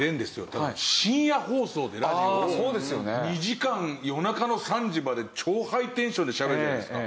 ただ深夜放送でラジオを２時間夜中の３時まで超ハイテンションでしゃべるじゃないですか。